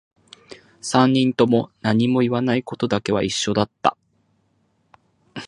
三人とも何も言わないことだけは一緒だった